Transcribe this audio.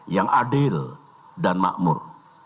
yang adil dan makmur